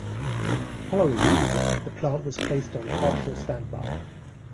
Following the war, the plant was placed on partial standby.